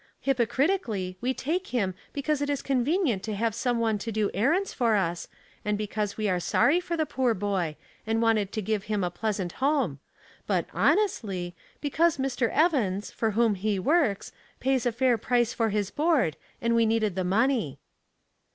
" Hj^pocritically, we take him because it is convenient to have some one to do errands for us, and because we were sorry for the poor boy, and wanted to give him a pleasant home ; but Jioiiestly^ because Mr. Evans, for whom he works, pays a fair price for his board, f and we needed the money."